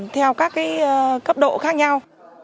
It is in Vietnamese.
theo các cấp độ khác nhau